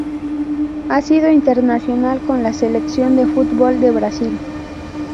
Ha sido internacional con la Selección de fútbol de Brasil.